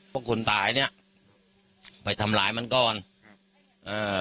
พวกคนตายเนี่ยไปทำร้ายมันก่อนเอ่อ